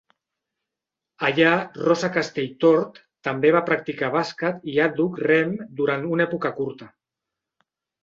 Allà, Rosa Castelltort també va practicar bàsquet i àdhuc rem durant una època curta.